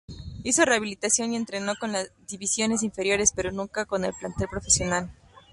Hizo rehabilitación y entrenó con las divisiones inferiores, pero nunca con el plantel profesional.